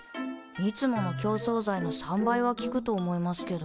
いつもの強壮剤の３倍は効くと思いますけど。